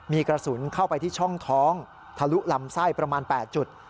มีกระสุนเข้าไปที่ช่องท้องทะลุลำไส้ประมาณ๘จุด